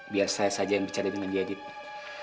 biar saya saja yang bicara dengan dia gitu